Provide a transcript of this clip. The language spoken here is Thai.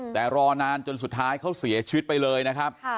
แต่รอนานจนสุดท้ายเขาเสียชีวิตไปเลยนะครับ